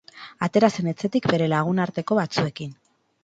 Atera zen etxetik bere lagunarteko batzuekin.